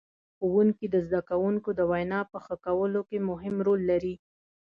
ښوونکي د زدهکوونکو د وینا په ښه کولو کې مهم رول لري.